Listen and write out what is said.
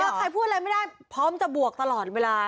ถ้าใครพูดอะไรไม่ได้พร้อมจะบวกตลอดเวลา